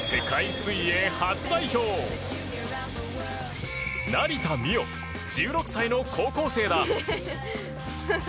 水泳初代表成田実生、１６歳の高校生だ。